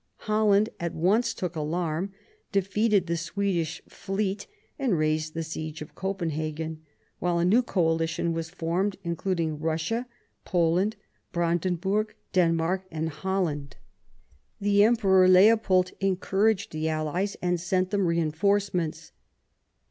Holland at once took alarm, defeated the Swedish fleet, and raised the siege of Copenhagen ; while a new coalition was formed, including Russia, Poland, Brandenburg, Denmark, and Holland. The VIII THE PEACE OF THE PYRENEES 149 Emperor Leopold encouraged the allies and sent them reinforcements.